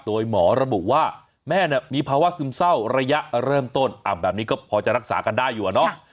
ตัวไอ้หมอระบุว่าแม่มีภาวะซึมเศร้าระยะเริ่มต้นแบบนี้ก็พอจะรักษากันได้อยู่นะ